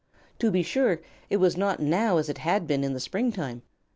To be sure, it was not now as it had been in the springtime.